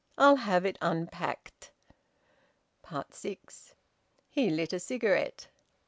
I'll have it unpacked." SIX. He lit a cigarette.